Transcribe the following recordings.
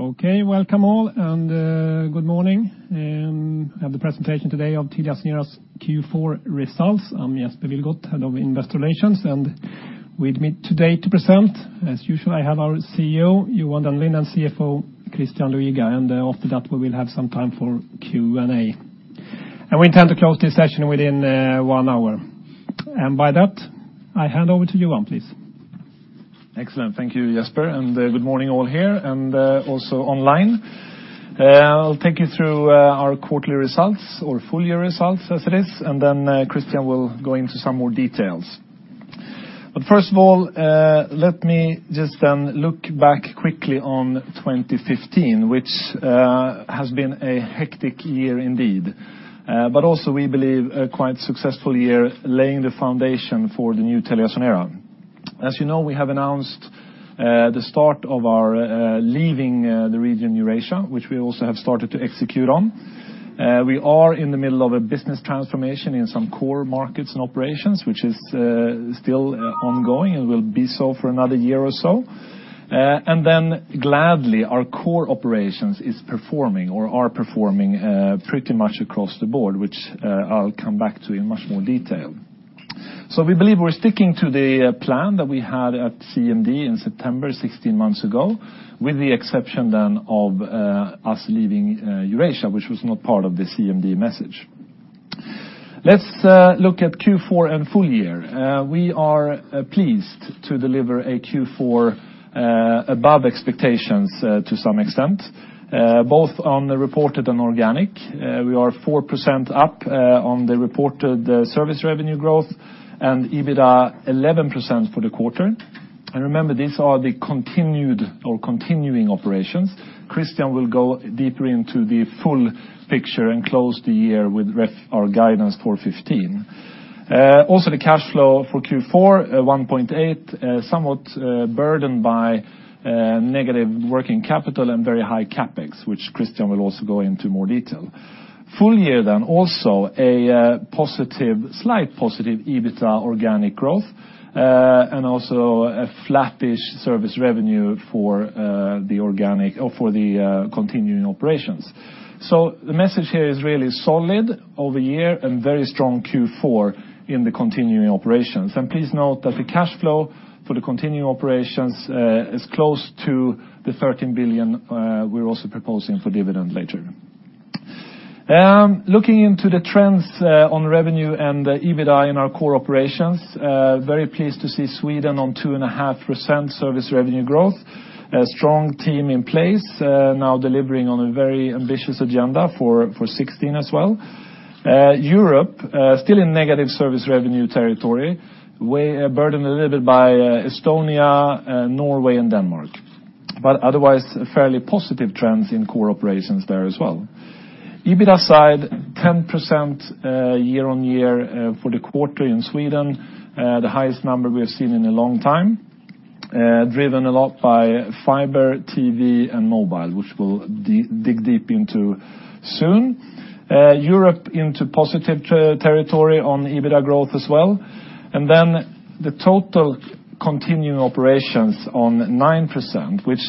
Welcome all, and good morning. We have the presentation today of Telia's Q4 results. I'm Jesper Vilgoth, Head of Investor Relations, and with me today to present, as usual, I have our CEO, Johan Dennelind, and CFO, Christian Luiga. After that, we will have some time for Q&A. We intend to close this session within one hour. By that, I hand over to Johan, please. Excellent. Thank you, Jesper, and good morning all here and also online. I'll take you through our quarterly results or full year results as it is. Christian will go into some more details. First of all, let me just then look back quickly on 2015, which has been a hectic year indeed. Also we believe a quite successful year laying the foundation for the new Telia era. As you know, we have announced the start of our leaving the region Eurasia, which we also have started to execute on. We are in the middle of a business transformation in some core markets and operations, which is still ongoing and will be so for another year or so. Gladly, our core operations is performing or are performing pretty much across the board, which I'll come back to in much more detail. We believe we're sticking to the plan that we had at CMD in September, 16 months ago, with the exception then of us leaving Eurasia, which was not part of the CMD message. Let's look at Q4 and full year. We are pleased to deliver a Q4 above expectations to some extent, both on the reported and organic. We are 4% up on the reported service revenue growth and EBITDA 11% for the quarter. Remember, these are the continued or continuing operations. Christian will go deeper into the full picture and close the year with our guidance for 2015. Also the cash flow for Q4, 1.8, somewhat burdened by negative working capital and very high CapEx, which Christian will also go into more detail. Full year then also a slight positive EBITDA organic growth, a flattish service revenue for the continuing operations. The message here is really solid over the year and very strong Q4 in the continuing operations. Please note that the cash flow for the continuing operations is close to the 13 billion we're also proposing for dividend later. Looking into the trends on revenue and EBITDA in our core operations. Very pleased to see Sweden on 2.5% service revenue growth. A strong team in place now delivering on a very ambitious agenda for 2016 as well. Europe still in negative service revenue territory, burdened a little bit by Estonia, Norway, and Denmark. Otherwise, fairly positive trends in core operations there as well. EBITDA side, 10% year-on-year for the quarter in Sweden, the highest number we have seen in a long time, driven a lot by fiber, TV, and mobile, which we'll dig deep into soon. Europe into positive territory on EBITDA growth as well. The total continuing operations on 9%, which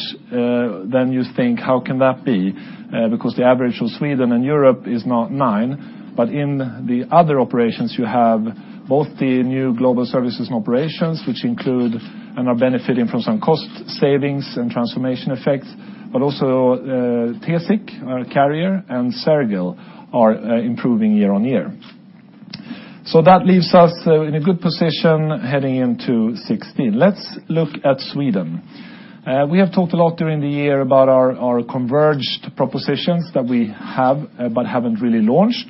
you think how can that be? The average for Sweden and Europe is not 9%, but in the other operations you have both the new global services and operations, which include and are benefiting from some cost savings and transformation effects, also Telia Carrier, and Sergel are improving year-on-year. That leaves us in a good position heading into 2016. Let's look at Sweden. We have talked a lot during the year about our converged propositions that we have, but haven't really launched.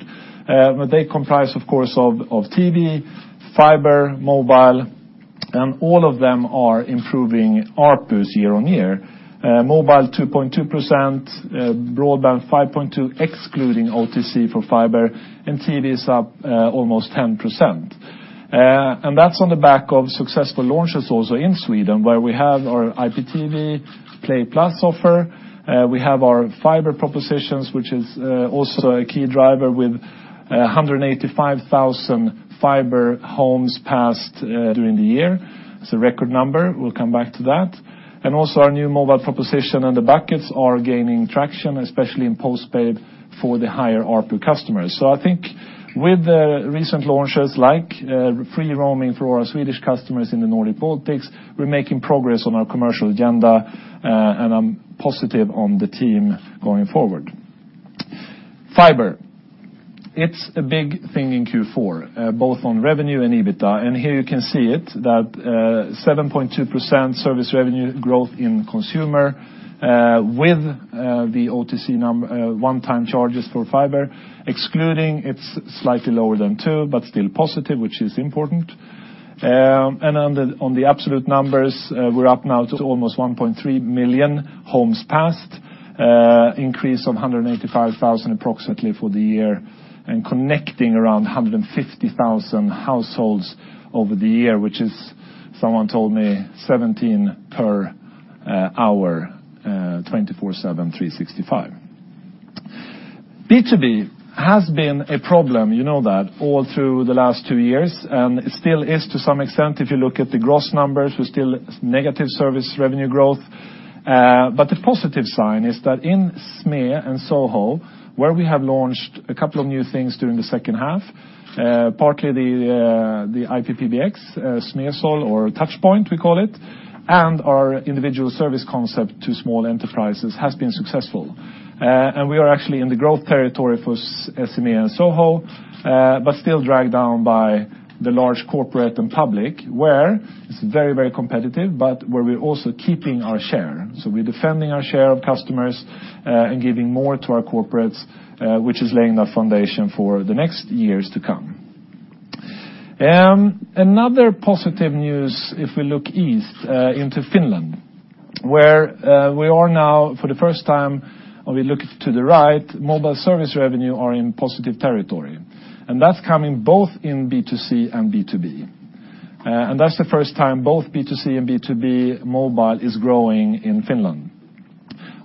They comprise of course of TV, fiber, mobile, and all of them are improving ARPUs year-on-year. Mobile 2.2%, broadband 5.2% excluding OTC for fiber, and TV is up almost 10%. That's on the back of successful launches also in Sweden, where we have our IPTV Play+ offer. We have our fiber propositions which is also a key driver with 185,000 fiber homes passed during the year. It's a record number. We'll come back to that. Also our new mobile proposition and the buckets are gaining traction, especially in postpaid for the higher ARPU customers. I think with the recent launches like free roaming for our Swedish customers in the Nordic Baltics, we're making progress on our commercial agenda, and I'm positive on the team going forward. Fiber. It's a big thing in Q4, both on revenue and EBITDA. Here you can see it, that 7.2% service revenue growth in consumer, with the OTC one-time charges for fiber. Excluding, it's slightly lower than 2%, but still positive, which is important. On the absolute numbers, we're up now to almost 1.3 million homes passed, increase of 185,000 approximately for the year, and connecting around 150,000 households over the year, which is, someone told me, 17 per hour, 24/7, 365. B2B has been a problem, you know that, all through the last 2 years, and it still is to some extent. If you look at the gross numbers, we're still negative service revenue growth. The positive sign is that in SME and SoHo, where we have launched a couple of new things during the second half, partly the IP PBX, SME Sol or Telia Touchpoint, we call it, and our individual service concept to small enterprises has been successful. We are actually in the growth territory for SME and SoHo, but still dragged down by the large corporate and public, where it's very competitive, but where we're also keeping our share. We're defending our share of customers, and giving more to our corporates, which is laying the foundation for the next years to come. Another positive news, if we look east into Finland, where we are now for the first time, or we look to the right, mobile service revenue are in positive territory. That's coming both in B2C and B2B. That's the first time both B2C and B2B mobile is growing in Finland.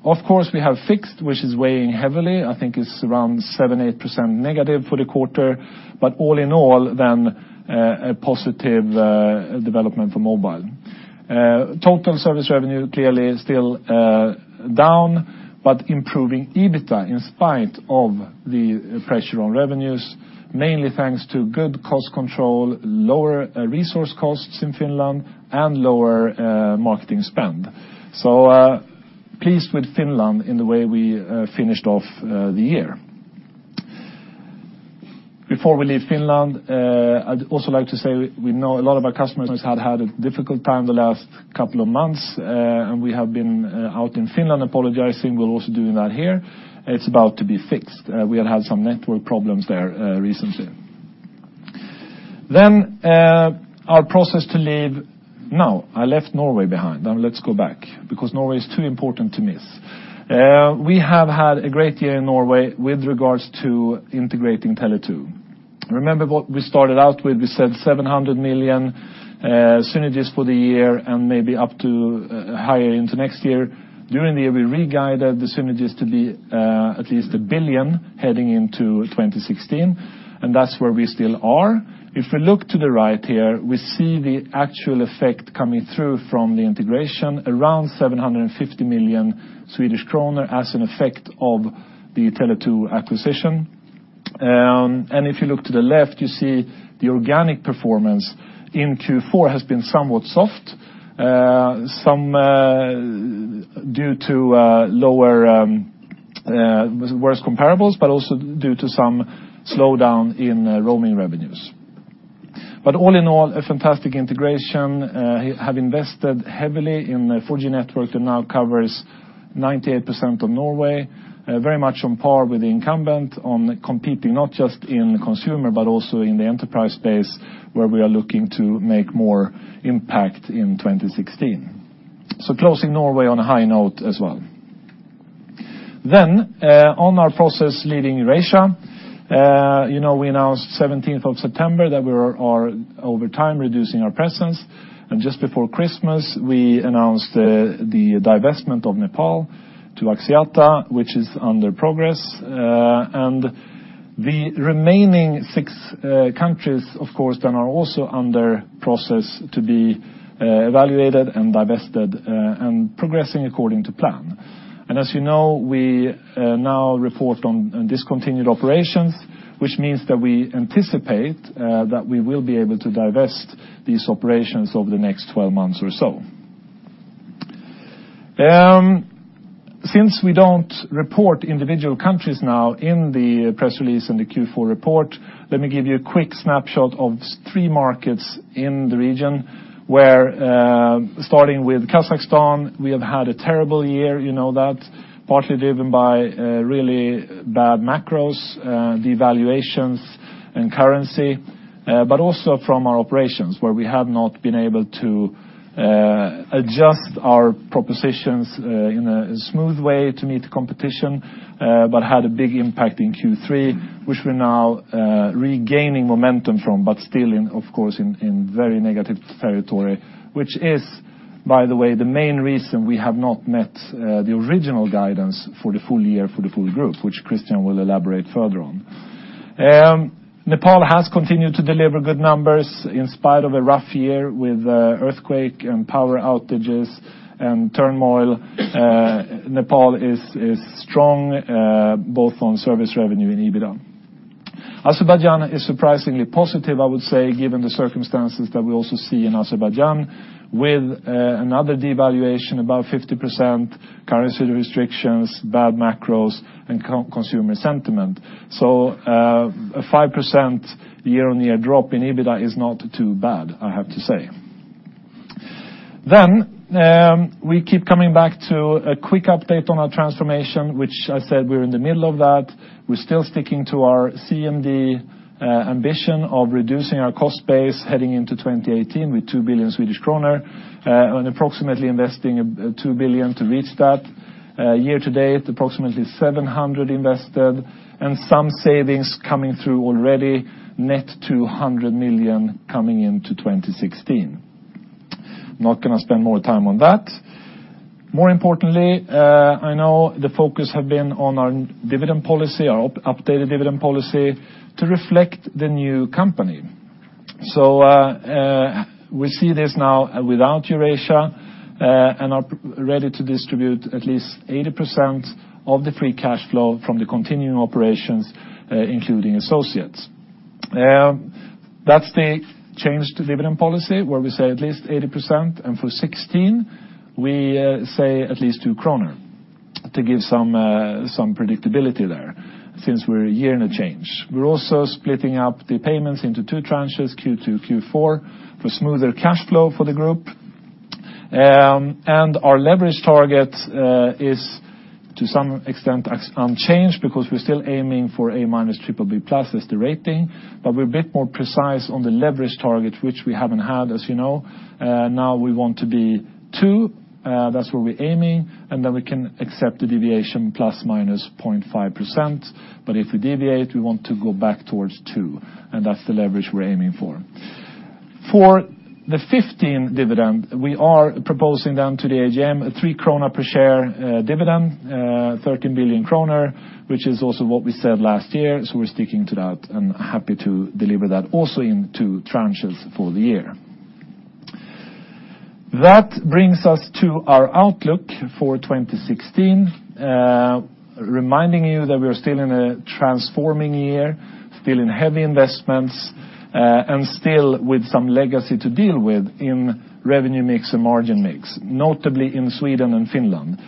Of course, we have fixed, which is weighing heavily. I think it's around 7%-8% negative for the quarter, but all in all, a positive development for mobile. Total service revenue clearly is still down, but improving EBITDA in spite of the pressure on revenues, mainly thanks to good cost control, lower resource costs in Finland, and lower marketing spend. Pleased with Finland in the way we finished off the year. Before we leave Finland, I'd also like to say we know a lot of our customers had a difficult time the last couple of months, and we have been out in Finland apologizing. We're also doing that here. It's about to be fixed. We have had some network problems there recently. I left Norway behind. Now let's go back, because Norway is too important to miss. We have had a great year in Norway with regards to integrating Tele2. Remember what we started out with, we said 700 million synergies for the year and maybe up to higher into next year. During the year, we re-guided the synergies to be at least 1 billion heading into 2016, and that's where we still are. If we look to the right here, we see the actual effect coming through from the integration, around 750 million Swedish kronor as an effect of the Tele2 acquisition. If you look to the left, you see the organic performance in Q4 has been somewhat soft. Some due to worse comparables, but also due to some slowdown in roaming revenues. All in all, a fantastic integration. Have invested heavily in 4G network that now covers 98% of Norway. Very much on par with the incumbent on competing not just in consumer, but also in the enterprise space where we are looking to make more impact in 2016. Closing Norway on a high note as well. On our process leaving Eurasia. We announced 17th of September that we are over time reducing our presence, just before Christmas, we announced the divestment of Nepal to Axiata, which is under progress. The remaining six countries, of course, then are also under process to be evaluated and divested, and progressing according to plan. As you know, we now report on discontinued operations, which means that we anticipate that we will be able to divest these operations over the next 12 months or so. Since we don't report individual countries now in the press release and the Q4 report, let me give you a quick snapshot of three markets in the region where, starting with Kazakhstan, we have had a terrible year. You know that. Partly driven by really bad macros, devaluations in currency, also from our operations, where we have not been able to adjust our propositions in a smooth way to meet the competition, had a big impact in Q3, which we're now regaining momentum from, still, of course, in very negative territory. Which is, by the way, the main reason we have not met the original guidance for the full year for the full group, which Christian will elaborate further on. Nepal has continued to deliver good numbers in spite of a rough year with earthquake and power outages and turmoil. Nepal is strong both on service revenue and EBITDA. Azerbaijan is surprisingly positive, I would say, given the circumstances that we also see in Azerbaijan with another devaluation, about 50%, currency restrictions, bad macros, and consumer sentiment. A 5% year-on-year drop in EBITDA is not too bad, I have to say. We keep coming back to a quick update on our transformation, which I said we're in the middle of that. We're still sticking to our CMD ambition of reducing our cost base heading into 2018 with 2 billion Swedish kronor, and approximately investing 2 billion to reach that. Year to date, approximately 700 million invested and some savings coming through already. Net 200 million coming into 2016. I'm not going to spend more time on that. More importantly, I know the focus has been on our dividend policy, our updated dividend policy to reflect the new company. We see this now without Eurasia, and are ready to distribute at least 80% of the free cash flow from the continuing operations, including associates. That's the change to dividend policy where we say at least 80%, and for 2016, we say at least 2 kronor to give some predictability there since we're a year and a change. We're also splitting up the payments into two tranches, Q2, Q4, for smoother cash flow for the group. Our leverage target is, to some extent, unchanged because we're still aiming for A-, BBB+ as the rating. We're a bit more precise on the leverage target, which we haven't had, as you know. Now we want to be 2. That's where we're aiming, and then we can accept a deviation ±0.5%. If we deviate, we want to go back towards 2, and that's the leverage we're aiming for. For the 2015 dividend, we are proposing down to the AGM a 3 krona per share dividend, 13 billion kronor, which is also what we said last year. We're sticking to that and happy to deliver that also in two tranches for the year. That brings us to our outlook for 2016. Reminding you that we are still in a transforming year, still in heavy investments, and still with some legacy to deal with in revenue mix and margin mix, notably in Sweden and Finland.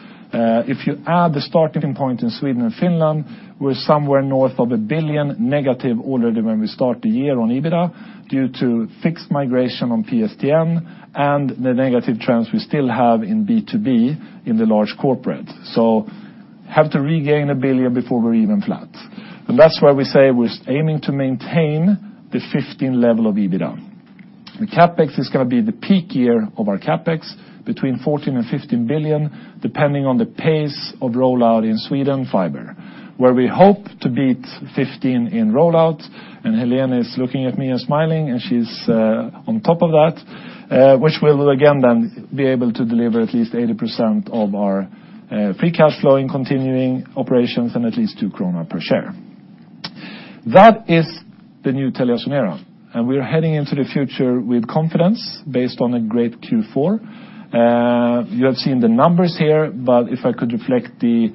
If you add the starting point in Sweden and Finland, we're somewhere north of 1 billion negative already when we start the year on EBITDA due to fixed migration on PSTN and the negative trends we still have in B2B in the large corporate. We have to regain 1 billion before we're even flat. That's why we say we're aiming to maintain the 2015 level of EBITDA. The CapEx is going to be the peak year of our CapEx, between 14 billion-15 billion, depending on the pace of rollout in Sweden fiber, where we hope to beat 15 billion in rollout. Hélène is looking at me and smiling, and she's on top of that, which will again then be able to deliver at least 80% of our free cash flow in continuing operations and at least 2 krona per share. That is the new TeliaSonera, we are heading into the future with confidence based on a great Q4. You have seen the numbers here, but if I could reflect the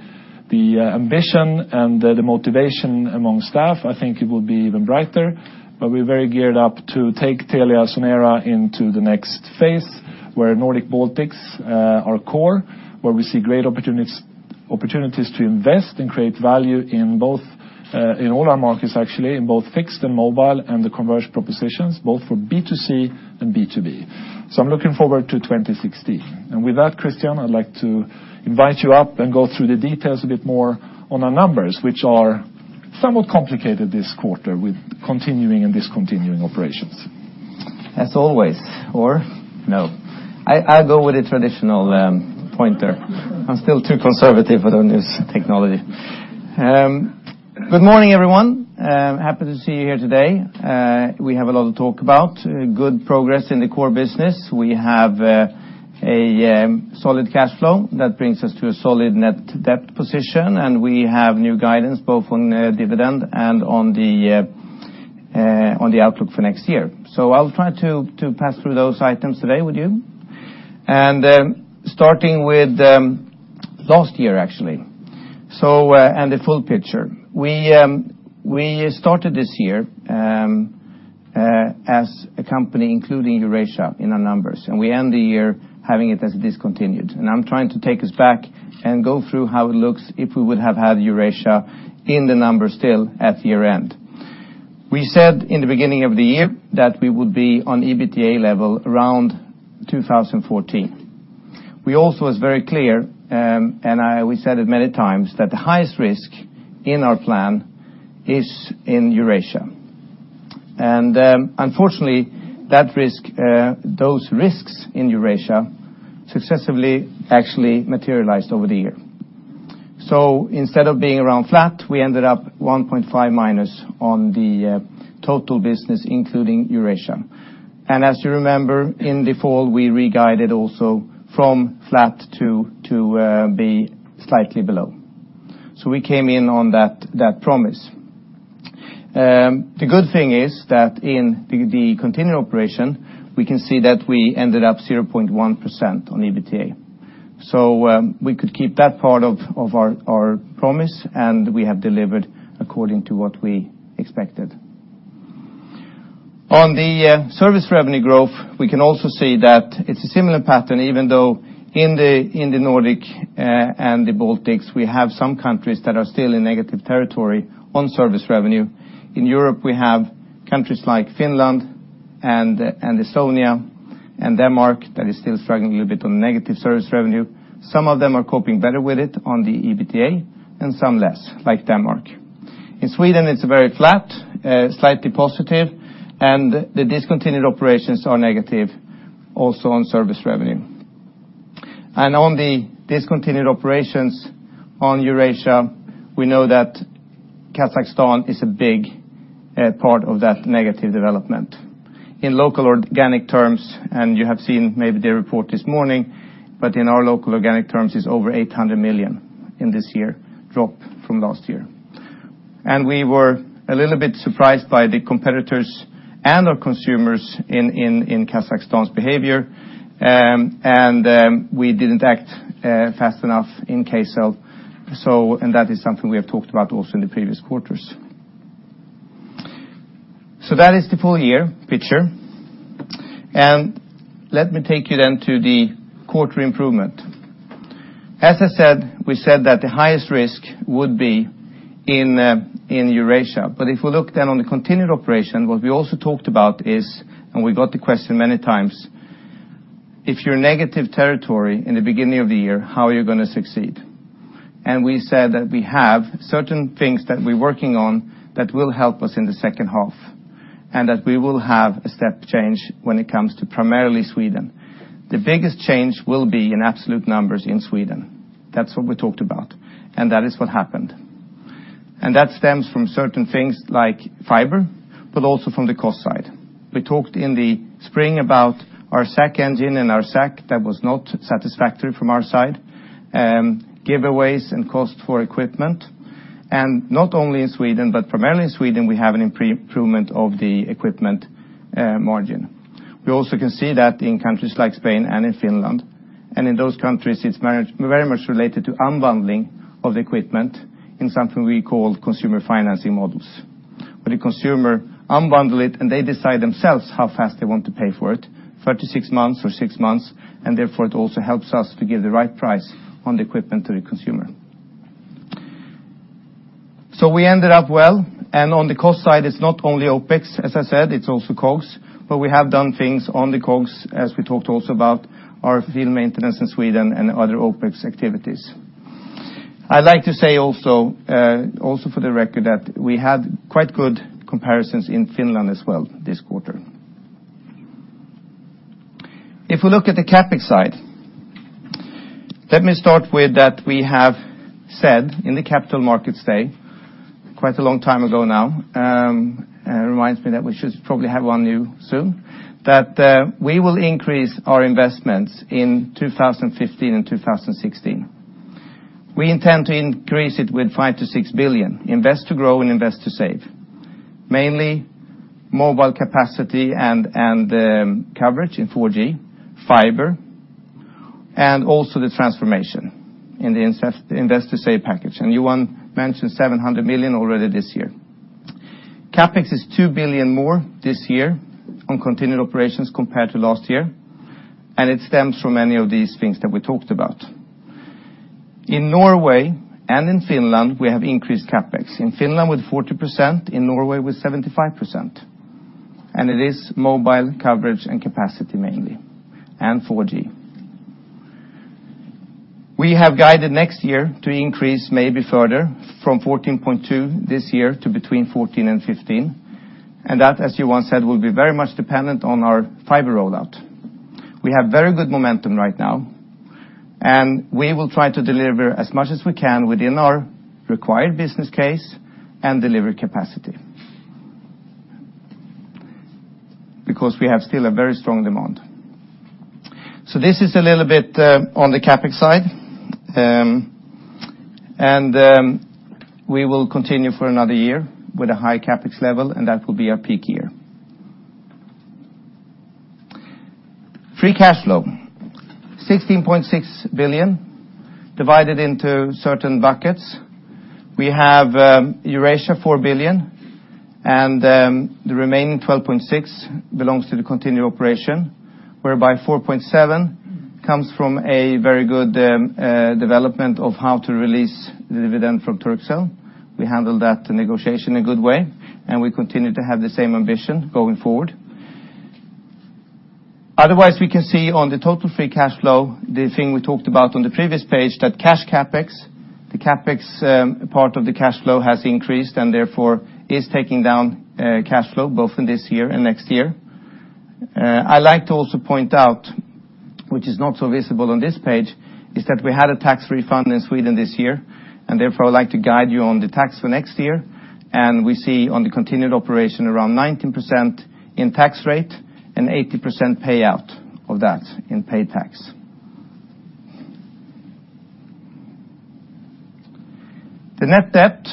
ambition and the motivation among staff, I think it will be even brighter. We're very geared up to take TeliaSonera into the next phase, where Nordic Baltics are core, where we see great opportunities to invest and create value in all our markets actually, in both fixed and mobile and the conversion propositions, both for B2C and B2B. I'm looking forward to 2016. With that, Christian, I'd like to invite you up and go through the details a bit more on our numbers, which are somewhat complicated this quarter with continuing and discontinuing operations. As always. Or no. I go with the traditional pointer. I'm still too conservative with the newest technology. Good morning, everyone. Happy to see you here today. We have a lot to talk about. Good progress in the core business. We have a solid cash flow that brings us to a solid net debt position, and we have new guidance both on dividend and on the outlook for next year. I'll try to pass through those items today with you. Starting with last year, actually, and the full picture. We started this year as a company, including Eurasia in our numbers, and we end the year having it as discontinued. I'm trying to take us back and go through how it looks if we would have had Eurasia in the numbers still at year-end. We said in the beginning of the year that we would be on EBITDA level around 2014. We also were very clear, and we said it many times, that the highest risk in our plan is in Eurasia. Unfortunately, those risks in Eurasia successively actually materialized over the year. Instead of being around flat, we ended up 1.5 minus on the total business, including Eurasia. As you remember, in the fall, we re-guided also from flat to be slightly below. We came in on that promise. The good thing is that in the continuing operation, we can see that we ended up 0.1% on EBITDA. We could keep that part of our promise, and we have delivered according to what we expected. On the service revenue growth, we can also see that it's a similar pattern, even though in the Nordic and the Baltics, we have some countries that are still in negative territory on service revenue. In Europe, we have countries like Finland and Estonia and Denmark that are still struggling a little bit on negative service revenue. Some of them are coping better with it on the EBITDA and some less, like Denmark. In Sweden, it's very flat, slightly positive, and the discontinued operations are negative also on service revenue. On the discontinued operations on Eurasia, we know that Kazakhstan is a big part of that negative development. In local organic terms, and you have seen maybe the report this morning, but in our local organic terms, it's over 800 million in this year drop from last year. We were a little bit surprised by the competitors and our consumers in Kazakhstan's behavior. We didn't act fast enough in Kcell, and that is something we have talked about also in the previous quarters. That is the full year picture. Let me take you then to the quarter improvement. As I said, we said that the highest risk would be in Eurasia, but if we look then on the continued operation, what we also talked about is, we got the question many times, if you're negative territory in the beginning of the year, how are you going to succeed? We said that we have certain things that we're working on that will help us in the second half, and that we will have a step change when it comes to primarily Sweden. The biggest change will be in absolute numbers in Sweden. That's what we talked about. That is what happened. That stems from certain things like fiber, also from the cost side. We talked in the spring about our SAC engine and our SAC that was not satisfactory from our side, giveaways and cost for equipment. Not only in Sweden, primarily in Sweden, we have an improvement of the equipment margin. We also can see that in countries like Spain and in Finland. In those countries, it's very much related to unbundling of equipment in something we call consumer financing models, where the consumer unbundle it and they decide themselves how fast they want to pay for it, 36 months or six months, and therefore it also helps us to give the right price on the equipment to the consumer. We ended up well. On the cost side, it's not only OpEx, as I said, it's also COGS, but we have done things on the COGS as we talked also about our field maintenance in Sweden and other OpEx activities. I'd like to say also for the record that we had quite good comparisons in Finland as well this quarter. If we look at the CapEx side, let me start with that we have said in the Capital Markets Day, quite a long time ago now, it reminds me that we should probably have one new soon, that we will increase our investments in 2015 and 2016. We intend to increase it with 5 billion-6 billion, invest to grow and invest to save. Mainly mobile capacity and coverage in 4G, fiber, and also the transformation in the invest to save package. Johan mentioned 700 million already this year. CapEx is 2 billion more this year on continued operations compared to last year. It stems from many of these things that we talked about. In Norway and in Finland, we have increased CapEx. In Finland with 40%, in Norway with 75%. It is mobile coverage and capacity mainly, and 4G. We have guided next year to increase maybe further from 14.2 billion this year to between 14 billion and 15 billion. That, as Johan said, will be very much dependent on our fiber rollout. We have very good momentum right now, and we will try to deliver as much as we can within our required business case and deliver capacity, because we have still a very strong demand. This is a little bit on the CapEx side. We will continue for another year with a high CapEx level, and that will be our peak year. Free cash flow. 16.6 billion divided into certain buckets. We have Eurasia 4 billion, and the remaining 12.6 billion belongs to the continued operation, whereby 4.7 billion comes from a very good development of how to release the dividend from Turkcell. We handled that negotiation a good way, and we continue to have the same ambition going forward. Otherwise, we can see on the total free cash flow, the thing we talked about on the previous page, that cash CapEx, the CapEx part of the cash flow has increased and therefore is taking down cash flow both in this year and next year. I'd like to also point out, which is not so visible on this page, is that we had a tax refund in Sweden this year, therefore I'd like to guide you on the tax for next year. We see on the continued operation around 19% in tax rate and 80% payout of that in paid tax. The net debt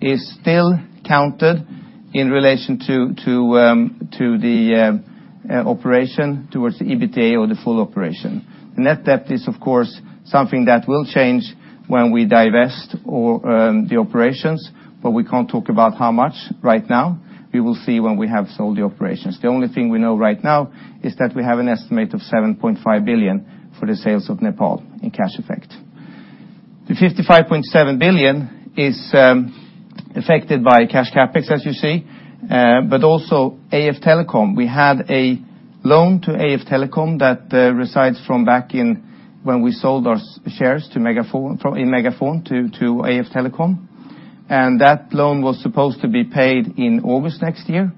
is still counted in relation to the operation towards the EBITDA or the full operation. The net debt is of course something that will change when we divest the operations, but we can't talk about how much right now. We will see when we have sold the operations. The only thing we know right now is that we have an estimate of 7.5 billion for the sales of Nepal in cash effect. The 55.7 billion is affected by cash CapEx, as you see, but alsoAF Telecom. We had a loan to AF Telecom that resides from back when we sold our shares in MegaFon to AF Telecom. That loan was supposed to be paid in August next year,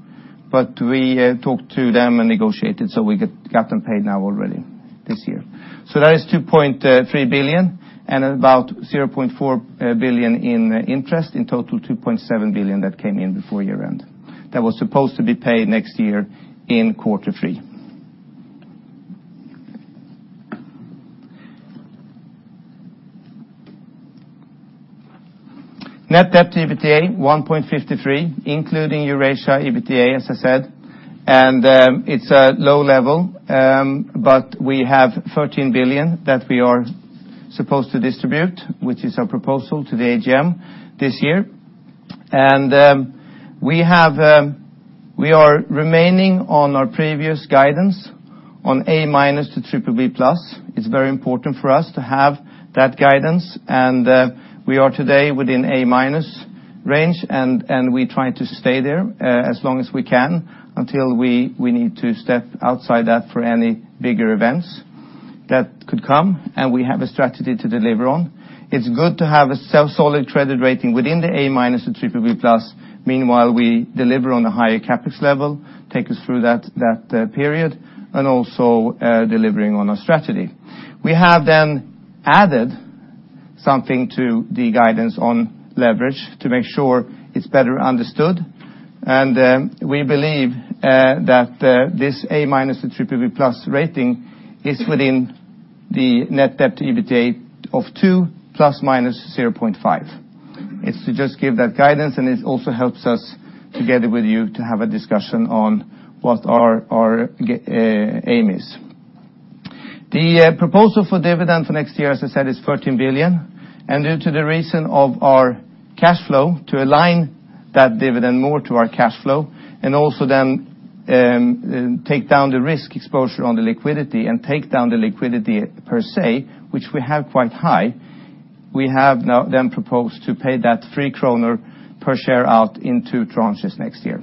but we talked to them and negotiated, so we got them paid now already this year. That is 2.3 billion and about 0.4 billion in interest. In total, 2.7 billion that came in before year-end, that was supposed to be paid next year in quarter three. Net debt to EBITDA, 1.53, including Eurasia EBITDA, as I said. It's a low level. We have 13 billion that we are supposed to distribute, which is our proposal to the AGM this year. We are remaining on our previous guidance on A- to BBB+. It's very important for us to have that guidance, we are today within A- range, we try to stay there as long as we can until we need to step outside that for any bigger events that could come, we have a strategy to deliver on. It's good to have a solid credit rating within the A- to BBB+. Meanwhile, we deliver on a higher CapEx level, take us through that period, and also are delivering on our strategy. We have added something to the guidance on leverage to make sure it's better understood. We believe that this A- to BBB+ rating is within the net debt to EBITDA of 2 ±0.5. It's to just give that guidance, it also helps us, together with you, to have a discussion on what our aim is. The proposal for dividend for next year, as I said, is 13 billion. Due to the reason of our cash flow, to align that dividend more to our cash flow, and also then take down the risk exposure on the liquidity and take down the liquidity per se, which we have quite high, we have now then proposed to pay that 3 kronor per share out in two tranches next year,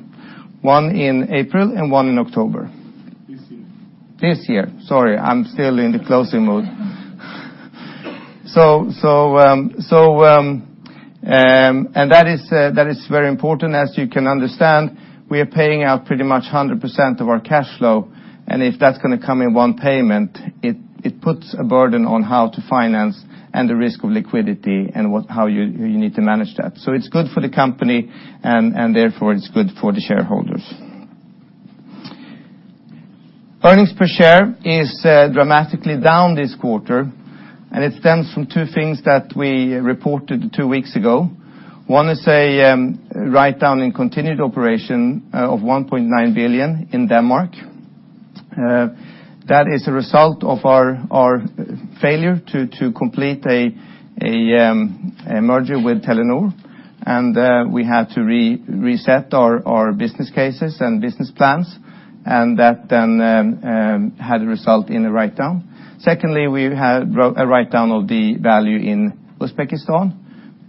one in April and one in October. This year. This year. Sorry, I'm still in the closing mode. That is very important. As you can understand, we are paying out pretty much 100% of our cash flow. If that's going to come in one payment, it puts a burden on how to finance and the risk of liquidity and how you need to manage that. It's good for the company, and therefore, it's good for the shareholders. Earnings per share is dramatically down this quarter, and it stems from two things that we reported two weeks ago. One is a write-down in continued operation of 1.9 billion in Denmark. That is a result of our failure to complete a merger with Telenor. We had to reset our business cases and business plans, and that then had a result in a write-down. Secondly, we had a write-down of the value in Uzbekistan.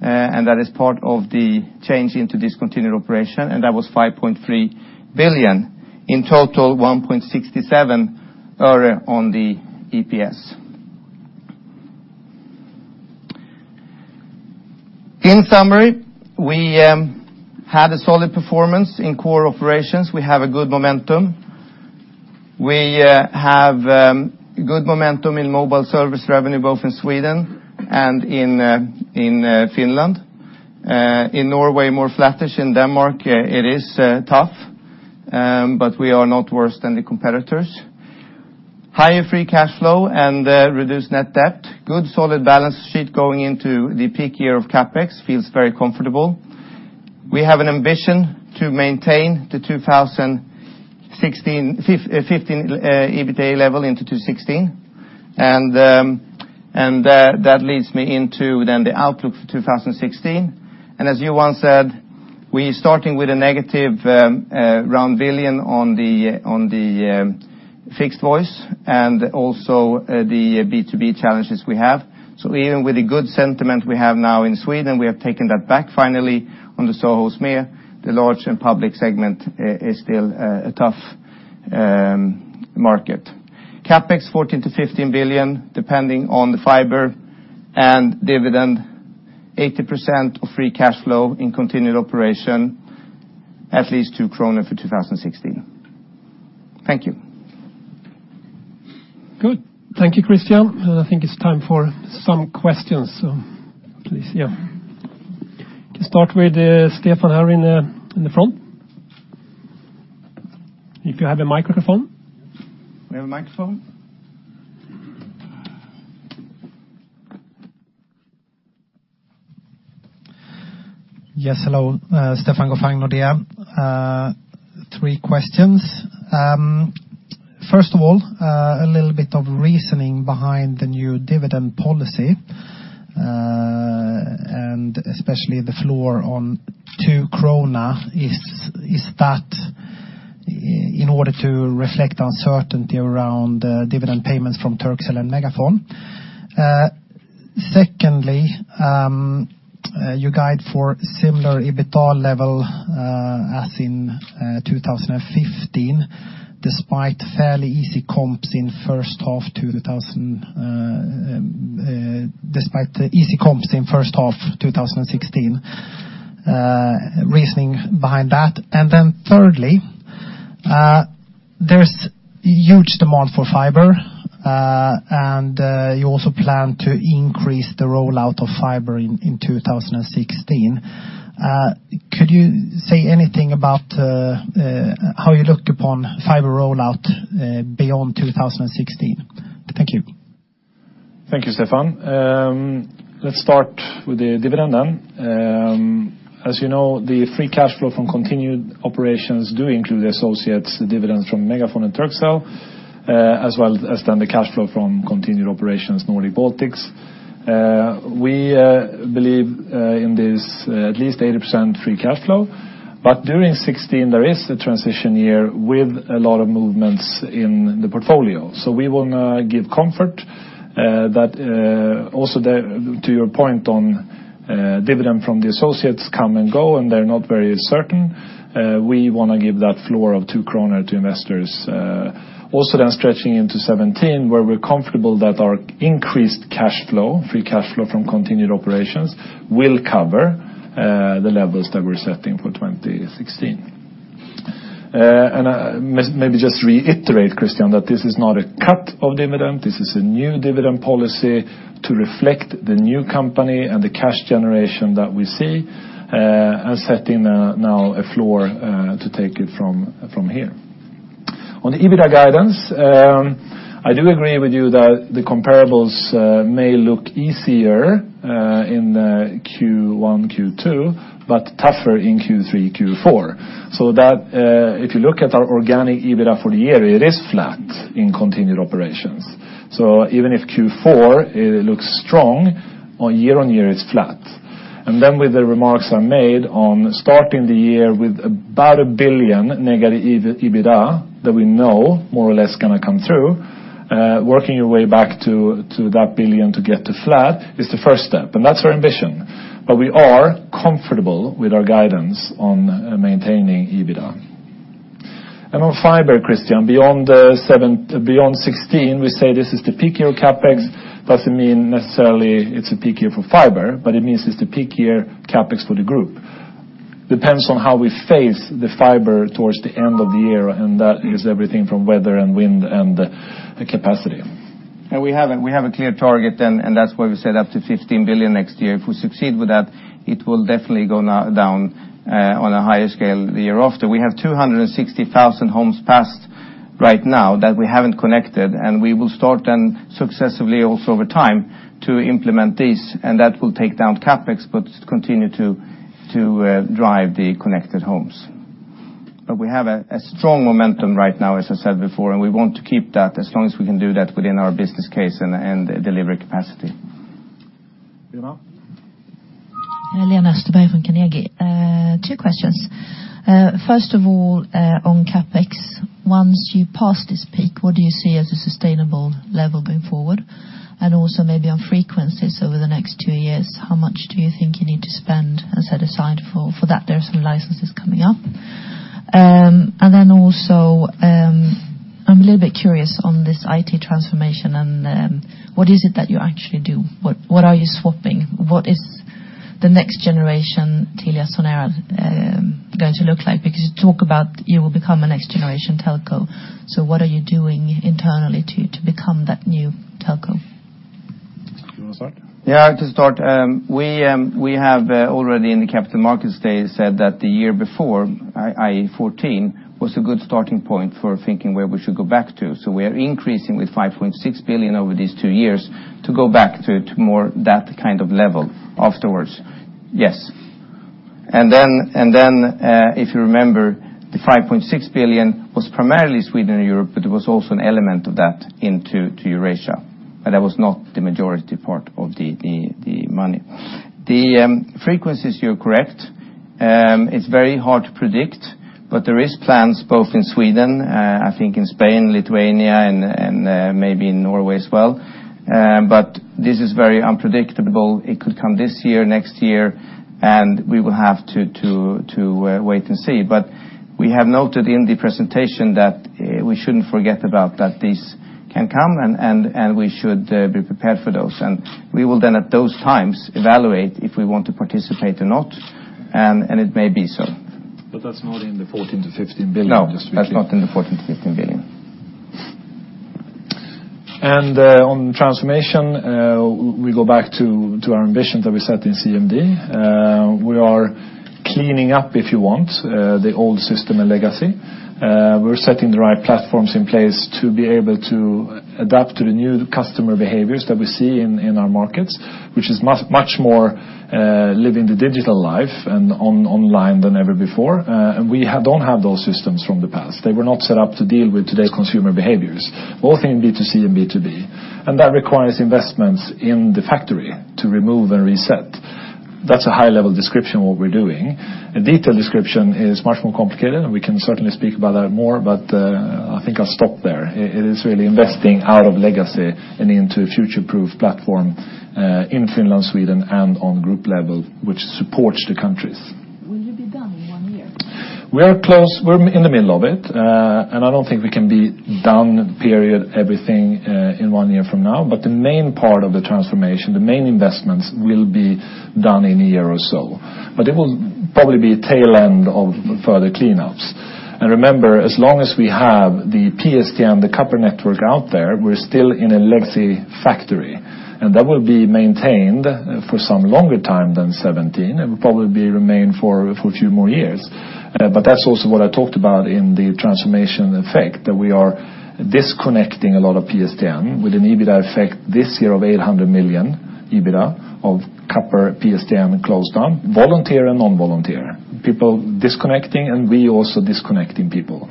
That is part of the change into discontinued operation, and that was 5.3 billion. In total, SEK 1.67 on the EPS. In summary, we had a solid performance in core operations. We have a good momentum. We have good momentum in mobile service revenue, both in Sweden and in Finland. In Norway, more flattish. In Denmark, it is tough. We are not worse than the competitors. Higher free cash flow and reduced net debt. Good, solid balance sheet going into the peak year of CapEx. Feels very comfortable. We have an ambition to maintain the 2015 EBITDA level into 2016. That leads me into then the outlook for 2016. As Johan said, we're starting with a negative around 1 billion on the fixed voice and also the B2B challenges we have. Even with the good sentiment we have now in Sweden, we have taken that back finally on the SoHo SME, the large and public segment is still a tough market. CapEx 14 billion-15 billion, depending on the fiber, and dividend 80% of free cash flow in continued operation, at least 2 kronor for 2016. Thank you. Good. Thank you, Christian. I think it's time for some questions, so please. Let's start with Stefan here in the front. If you have a microphone. We have a microphone. Yes. Hello. Stefan Gauffin, Nordea. Three questions. First of all, a little bit of reasoning behind the new dividend policy, and especially the floor on 2 krona. Is that in order to reflect uncertainty around dividend payments from Turkcell and MegaFon? Secondly, you guide for similar EBITDA level as in 2015. Despite fairly easy comps in first half 2016, reasoning behind that. Thirdly, there's huge demand for fiber, and you also plan to increase the rollout of fiber in 2016. Could you say anything about how you look upon fiber rollout beyond 2016? Thank you. Thank you, Stefan. Let's start with the dividend then. As you know, the free cash flow from continued operations do include the associates' dividends from MegaFon and Turkcell, as well as then the cash flow from continued operations Nordics Baltics. We believe in this at least 80% free cash flow. During 2016 there is a transition year with a lot of movements in the portfolio. We want to give comfort that also to your point on dividend from the associates come and go and they're not very certain. We want to give that floor of 2 kronor to investors. Also then stretching into 2017, where we're comfortable that our increased free cash flow from continued operations will cover the levels that we're setting for 2016. Maybe just reiterate, Christian, that this is not a cut of dividend. This is a new dividend policy to reflect the new company and the cash generation that we see, and setting now a floor to take it from here. On the EBITDA guidance, I do agree with you that the comparables may look easier in Q1, Q2, but tougher in Q3, Q4. If you look at our organic EBITDA for the year, it is flat in continued operations. Even if Q4 looks strong, on year-on-year it's flat. Then with the remarks I made on starting the year with about 1 billion negative EBITDA that we know more or less going to come through, working your way back to that 1 billion to get to flat is the first step. That's our ambition. We are comfortable with our guidance on maintaining EBITDA. On fiber, Christian, beyond 2016, we say this is the peak year of CapEx, doesn't mean necessarily it's a peak year for fiber, but it means it's the peak year CapEx for the group. Depends on how we face the fiber towards the end of the year, and that is everything from weather and wind and the capacity. We have a clear target then, and that's why we said up to 15 billion next year. If we succeed with that, it will definitely go down on a higher scale the year after. We have 260,000 homes passed right now that we haven't connected, and we will start then successively also over time to implement these, and that will take down CapEx, but continue to drive the connected homes. We have a strong momentum right now, as I said before, and we want to keep that as long as we can do that within our business case and delivery capacity. Lena. Lena Österberg from Carnegie. Two questions. First of all, on CapEx, once you pass this peak, what do you see as a sustainable level going forward? Also maybe on frequencies over the next two years, how much do you think you need to spend and set aside for that? There are some licenses coming up. Also, I'm a little bit curious on this IT transformation and what is it that you actually do? What are you swapping? What is the next generation TeliaSonera going to look like? Because you talk about you will become a next generation telco. What are you doing internally to become that new telco? You want to start? Yeah, to start, we have already in the capital markets day said that the year before, i.e. 2014, was a good starting point for thinking where we should go back to. We are increasing with 5.6 billion over these two years to go back to more that kind of level afterwards. Yes. If you remember, the 5.6 billion was primarily Sweden and Europe, it was also an element of that into Eurasia. That was not the majority part of the money. The frequencies, you're correct. It's very hard to predict, but there is plans both in Sweden, I think in Spain, Lithuania, and maybe in Norway as well. This is very unpredictable. It could come this year, next year, and we will have to wait and see. We have noted in the presentation that we shouldn't forget about that this can come, and we should be prepared for those. We will then at those times evaluate if we want to participate or not, and it may be so. That’s not in the 14 billion-15 billion. No, that’s not in the 14 billion-15 billion. On transformation, we go back to our ambition that we set in CMD. We are cleaning up, if you want, the old system and legacy. We’re setting the right platforms in place to be able to adapt to the new customer behaviors that we see in our markets, which is much more living the digital life and online than ever before. We don’t have those systems from the past. They were not set up to deal with today’s consumer behaviors, both in B2C and B2B. That requires investments in the factory to remove and reset. That’s a high-level description of what we’re doing. A detailed description is much more complicated, and we can certainly speak about that more, but I think I’ll stop there. It is really investing out of legacy and into a future-proof platform in Finland, Sweden, and on group level, which supports the countries. Will you be done in one year? We're in the middle of it. I don't think we can be done, period, everything in one year from now, the main part of the transformation, the main investments will be done in a year or so. There will probably be a tail end of further cleanups. Remember, as long as we have the PSTN, the copper network out there, we're still in a legacy factory, and that will be maintained for some longer time than 2017. It will probably remain for a few more years. That's also what I talked about in the transformation effect, that we are disconnecting a lot of PSTN with an EBITDA effect this year of 800 million EBITDA of copper PSTN closed down, volunteer and non-volunteer. People disconnecting, and we also disconnecting people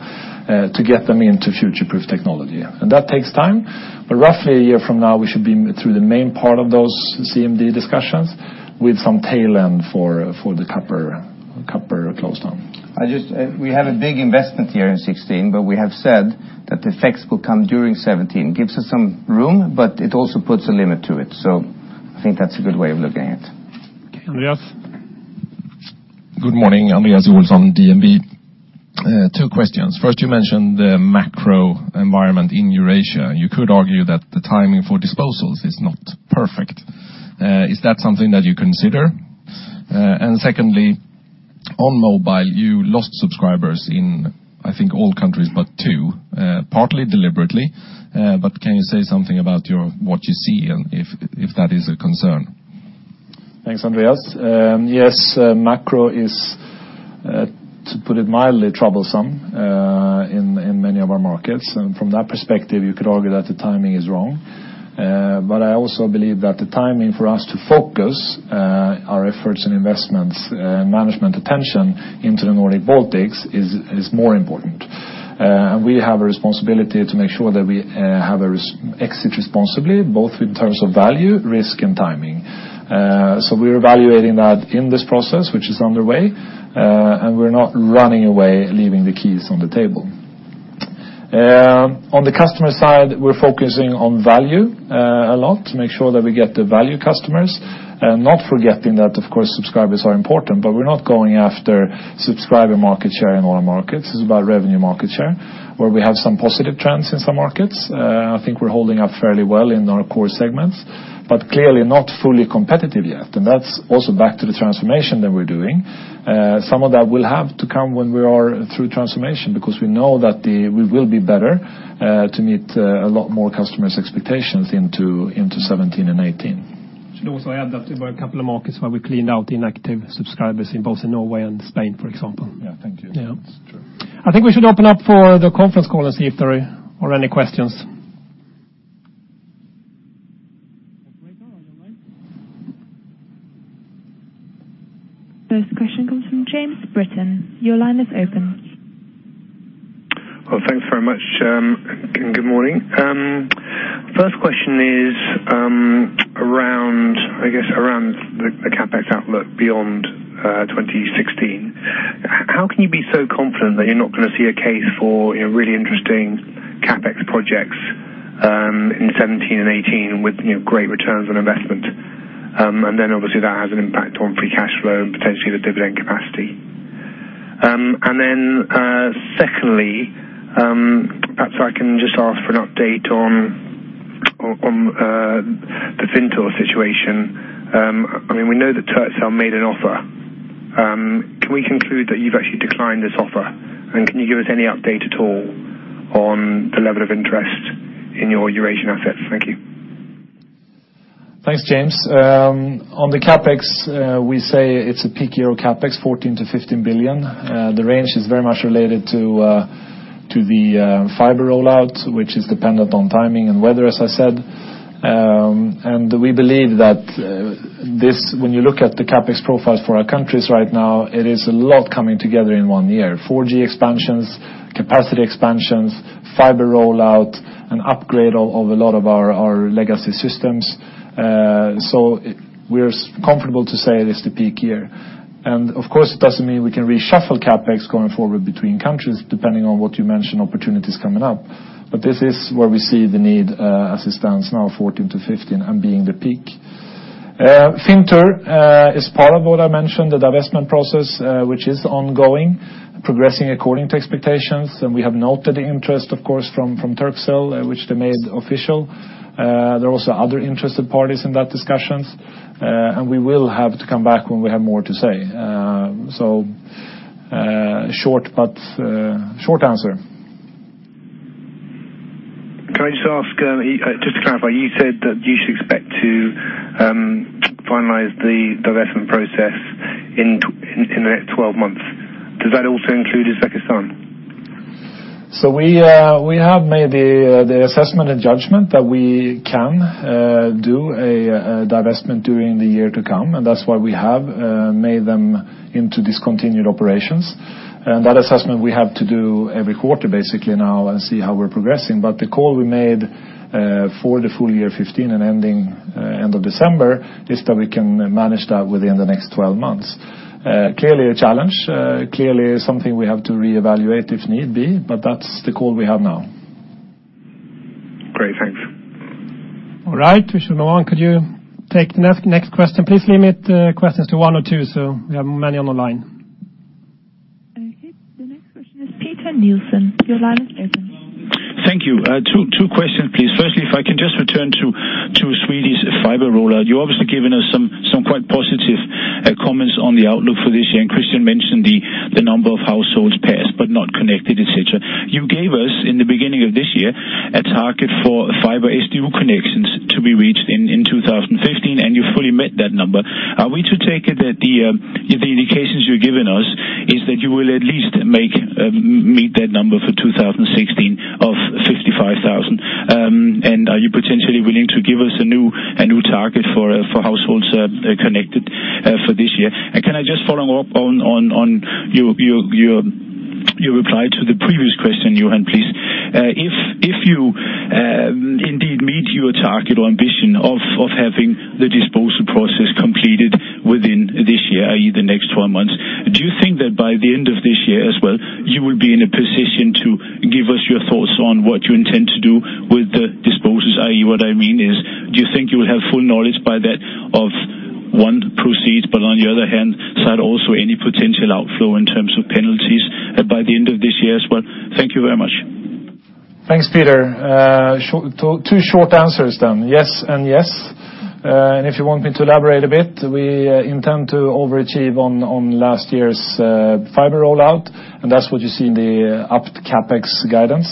to get them into future-proof technology. That takes time, roughly a year from now, we should be through the main part of those CMD discussions with some tail end for the copper closed down. We have a big investment here in 2016, we have said that the effects will come during 2017. It gives us some room, it also puts a limit to it. I think that's a good way of looking at it. Okay. Andreas. Good morning. Andreas Olsson, DNB. Two questions. First, you mentioned the macro environment in Eurasia. You could argue that the timing for disposals is not perfect. Is that something that you consider? Secondly, on mobile, you lost subscribers in, I think all countries, but two, partly deliberately, can you say something about what you see and if that is a concern? Thanks, Andreas. Yes, macro is, to put it mildly, troublesome in many of our markets. From that perspective, you could argue that the timing is wrong. I also believe that the timing for us to focus our efforts and investments management attention into the Nordic Baltics is more important. We have a responsibility to make sure that we exit responsibly, both in terms of value, risk and timing. We're evaluating that in this process, which is underway, and we're not running away leaving the keys on the table. On the customer side, we're focusing on value a lot to make sure that we get the value customers, not forgetting that, of course, subscribers are important, but we're not going after subscriber market share in all our markets. This is about revenue market share, where we have some positive trends in some markets. I think we're holding up fairly well in our core segments, but clearly not fully competitive yet. That's also back to the transformation that we're doing. Some of that will have to come when we are through transformation because we know that we will be better to meet a lot more customers' expectations into 2017 and 2018. I should also add that there were a couple of markets where we cleaned out inactive subscribers in both Norway and Spain, for example. Yeah, thank you. Yeah. That's true. I think we should open up for the conference call and see if there are any questions. Operator, you're on mute. First question comes from James Britton. Your line is open. Well, thanks very much. Good morning. First question is around the CapEx outlook beyond 2016. How can you be so confident that you're not going to see a case for really interesting CapEx projects in 2017 and 2018 with great returns on investment? Obviously that has an impact on free cash flow and potentially the dividend capacity. Secondly, perhaps I can just ask for an update on the Fintur situation. We know that Turkcell made an offer. Can we conclude that you've actually declined this offer? Can you give us any update at all on the level of interest in your Eurasian assets? Thank you. Thanks, James. On the CapEx, we say it is a peak year of CapEx, 14 billion-15 billion. The range is very much related to the fiber rollout, which is dependent on timing and weather, as I said. We believe that when you look at the CapEx profiles for our countries right now, it is a lot coming together in one year. 4G expansions, capacity expansions, fiber rollout, and upgrade of a lot of our legacy systems. We are comfortable to say it is the peak year. Of course, it does not mean we can reshuffle CapEx going forward between countries, depending on what you mentioned, opportunities coming up. This is where we see the need as it stands now, 14 billion-15 billion, and being the peak. Fintur is part of what I mentioned, the divestment process, which is ongoing, progressing according to expectations. We have noted the interest, of course, from Turkcell, which they made official. There are also other interested parties in that discussions, and we will have to come back when we have more to say. Short answer. Can I just ask, just to clarify, you said that you should expect to finalize the divestment process in the next 12 months. Does that also include Uzbekistan? We have made the assessment and judgment that we can do a divestment during the year to come, and that is why we have made them into discontinued operations. That assessment we have to do every quarter basically now and see how we are progressing. The call we made for the full year 2015 and ending end of December is that we can manage that within the next 12 months. Clearly a challenge, clearly something we have to reevaluate if need be, but that is the call we have now. Great. Thanks. All right, we should go on. Could you take the next question? Please limit questions to one or two, we have many on the line. Okay. The next question is Petter Nielsen. Your line is open. Thank you. Two questions, please. Firstly, if I can just return to Sweden's fiber rollout. You've obviously given us some quite positive comments on the outlook for this year. Christian mentioned the number of households passed but not connected, et cetera. You gave us, in the beginning of this year, a target for fiber SDU connections to be reached in 2015. You fully met that number. Are we to take it that the indications you're giving us is that you will at least meet that number for 2016 of 55,000? Are you potentially willing to give us a new target for households connected for this year? Can I just follow up on your reply to the previous question, Johan, please. If you indeed meet your target or ambition of having the disposal process completed within this year, i.e., the next 12 months, do you think that by the end of this year as well, you will be in a position to give us your thoughts on what you intend to do with the disposals? i.e., what I mean is, do you think you'll have full knowledge by that of one, proceeds, but on the other hand, also any potential outflow in terms of penalties by the end of this year as well? Thank you very much. Thanks, Petter. Two short answers then. Yes, and yes. If you want me to elaborate a bit, we intend to overachieve on last year's fiber rollout, and that's what you see in the upped CapEx guidance.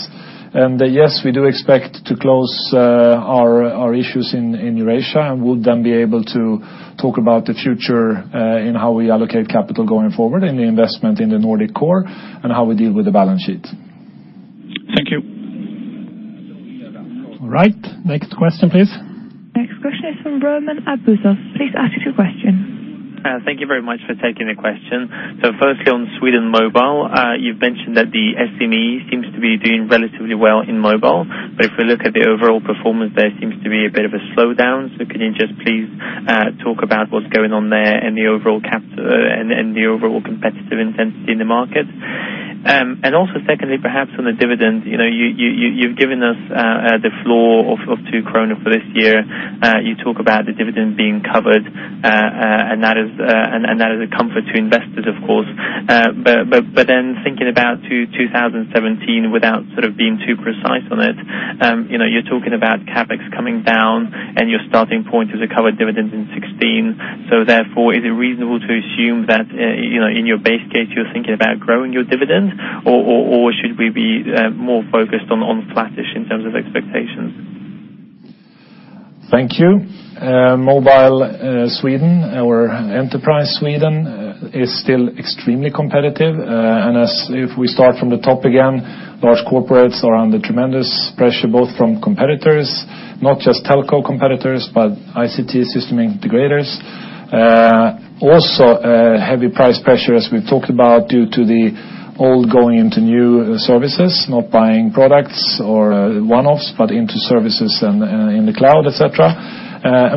Yes, we do expect to close our issues in Eurasia, and we'll then be able to talk about the future in how we allocate capital going forward in the investment in the Nordic core and how we deal with the balance sheet. Thank you. All right. Next question, please. Next question is from Roman Arbuzov. Please ask your question. Thank you very much for taking the question. Firstly, on Sweden mobile, you've mentioned that the SME seems to be doing relatively well in mobile, if we look at the overall performance, there seems to be a bit of a slowdown. Can you just please talk about what's going on there and the overall competitive intensity in the market? Also secondly, perhaps on the dividend. You've given us the floor of 2 kronor for this year. You talk about the dividend being covered, and that is a comfort to investors, of course. Thinking about 2017 without sort of being too precise on it, you're talking about CapEx coming down and your starting point as a covered dividend in 2016. Therefore, is it reasonable to assume that in your base case you're thinking about growing your dividend, or should we be more focused on flattish in terms of expectations? Thank you. Mobile Sweden, our enterprise Sweden, is still extremely competitive. If we start from the top again, large corporates are under tremendous pressure, both from competitors, not just telco competitors, but ICT system integrators. Also heavy price pressure, as we've talked about, due to the old going into new services, not buying products or one-offs, but into services and in the cloud, et cetera.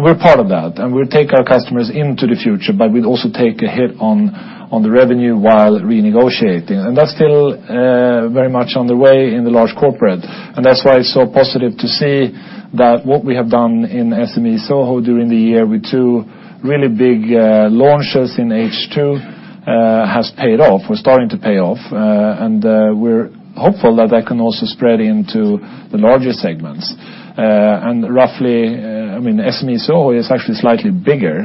We're part of that, and we'll take our customers into the future, but we'll also take a hit on the revenue while renegotiating. That's still very much on the way in the large corporate. That's why it's so positive to see that what we have done in SME SOHO during the year with two really big launches in H2 has paid off, or starting to pay off. We're hopeful that that can also spread into the larger segments. Roughly, SME SoHo is actually slightly bigger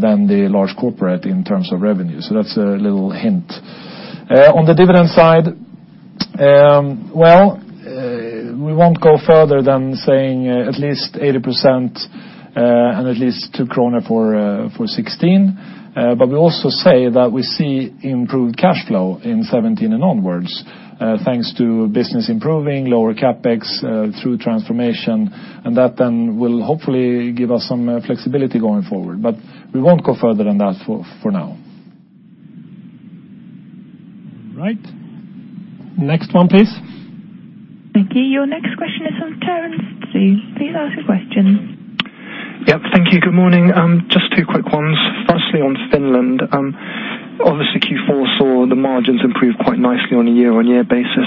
than the large corporate in terms of revenue. That's a little hint. On the dividend side, well, we won't go further than saying at least 80% and at least 2 kronor for 2016. We also say that we see improved cash flow in 2017 and onwards, thanks to business improving, lower CapEx through transformation, and that then will hopefully give us some flexibility going forward. We won't go further than that for now. All right. Next one, please. Thank you. Your next question is from Terence Tse. Please ask your question. Yep. Thank you. Good morning. Just two quick ones. Firstly, on Finland. Obviously, Q4 saw the margins improve quite nicely on a year-on-year basis.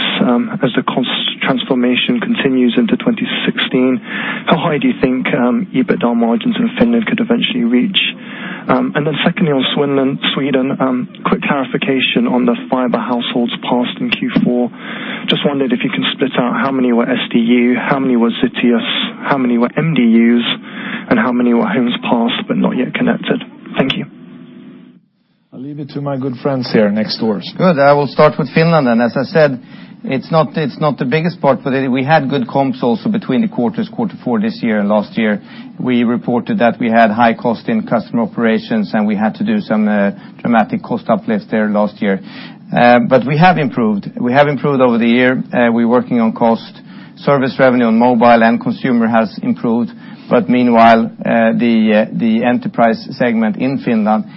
As the cost transformation continues into 2016, how high do you think EBITDA margins in Finland could eventually reach? Secondly on Sweden, quick clarification on the fiber households passed in Q4. Just wondered if you can split out how many were SDU, how many were CTS, how many were MDUs, and how many were homes passed but not yet connected. Thank you. I'll leave it to my good friends here next door. Good. I will start with Finland. As I said, it's not the biggest part. We had good comps also between the quarters, quarter four this year and last year. We reported that we had high cost in customer operations. We had to do some dramatic cost uplift there last year. We have improved. We have improved over the year. We're working on cost. Service revenue on mobile and consumer has improved. Meanwhile, the enterprise segment in Finland is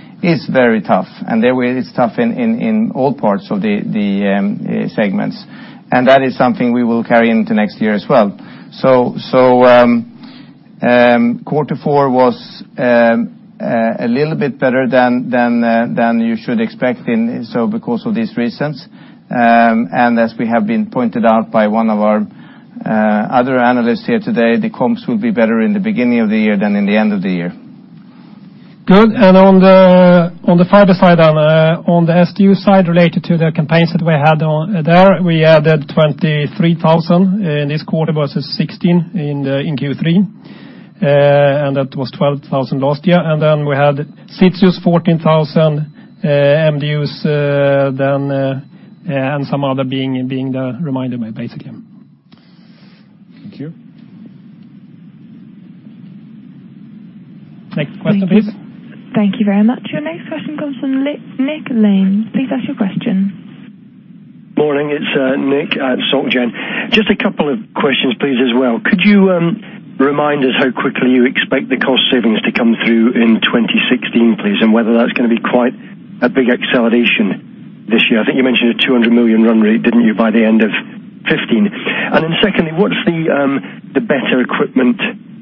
very tough. There it's tough in all parts of the segments. That is something we will carry into next year as well. Quarter four was a little bit better than you should expect because of these reasons. As we have been pointed out by one of our other analysts here today, the comps will be better in the beginning of the year than in the end of the year. Good. On the fiber side, on the SDU side, related to the campaigns that we had on there, we added 23,000 in this quarter versus 16,000 in Q3. That was 12,000 last year. We had SDUs 14,000, MDUs then, and some other being the remainder basically. Thank you. Next question, please. Thank you very much. Your next question comes from Nicholas Lyall. Please ask your question. Morning, it's Nick at Societe Generale. Just a couple of questions, please, as well. Could you remind us how quickly you expect the cost savings to come through in 2016, please, and whether that's going to be quite a big acceleration this year? I think you mentioned a 200 million run rate, didn't you, by the end of 2015. Secondly, what's the better equipment